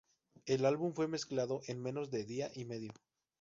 El álbum fue mezclado en menos de día y medio.